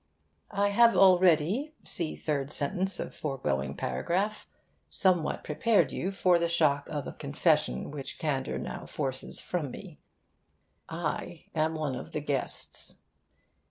I have already (see third sentence of foregoing paragraph) somewhat prepared you for the shock of a confession which candour now forces from me. I am one of the guests.